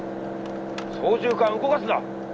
操縦かん動かすな！